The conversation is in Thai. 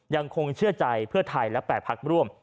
ยังคงเชื่อใจเพื่อไทยและ๘พักร่วม